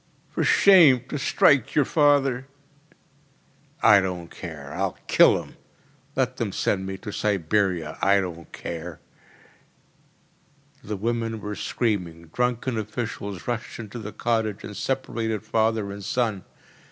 “For shame! To strike your father !‚ÄĚ “I don’t care, I’ll kill him! Let them send me to Siberia, I don’t care!‚ÄĚ The women were screaming. Drunken officials rushed into the cottage and separated father and son.